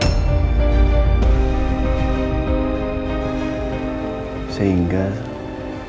dia sudah berusaha untuk menjaga andien